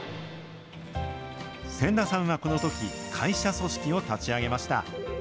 仙田さんはこのとき、会社組織を立ち上げました。